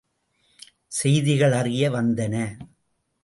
செய்திகள் அறிய வந்தன.